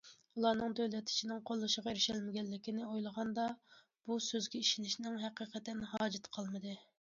ئۇلارنىڭ دۆلەت ئىچىنىڭ قوللىشىغا ئېرىشەلمىگەنلىكىنى ئويلىغاندا، بۇ سۆزگە ئىشىنىشنىڭ ھەقىقەتەن ھاجىتى قالمىدى.